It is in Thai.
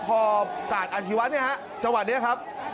พอกาดอาชีวะเนี่ยฮะจังหวะนี้ครับ